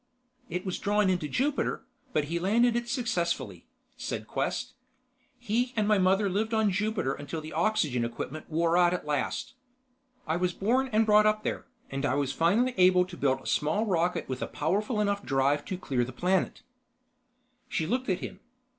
"It was drawn into Jupiter, but he landed it successfully," said Quest. "He and my mother lived on Jupiter until the oxygen equipment wore out at last. I was born and brought up there, and I was finally able to build a small rocket with a powerful enough drive to clear the planet." She looked at him.